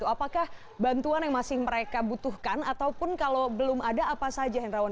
apakah bantuan yang masih mereka butuhkan ataupun kalau belum ada apa saja henrawan